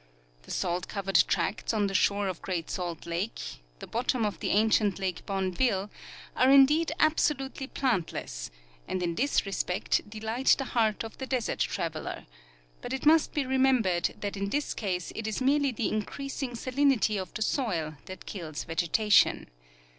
The salt covered tracts on the shore of Great Salt lake, the bottom of the ancient lake Bonneville, are indeed absolutely plantless, and in this respect delight the heart of the desert traveler; but it must be remembered that in this case it is merely the increasing salinity of the soil that kills vegetation.